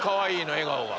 笑顔が。